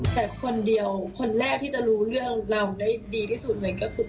แต่คนเดียวคนแรกที่จะรู้เรื่องเราได้ดีที่สุดเลยก็คือ